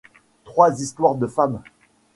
Trois histoires de femmes.